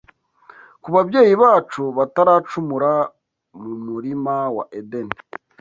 ku babyeyi bacu bataracumura mu murima wa Edeni